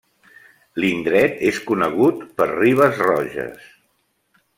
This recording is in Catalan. L'indret és conegut per Ribes Roges.